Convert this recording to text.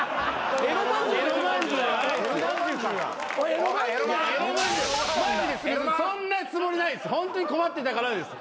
マジでそんなつもりないっす。